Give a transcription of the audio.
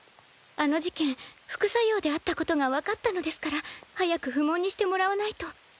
あの事件副作用であったことが分かったのですから早く不問にしてもらわないと。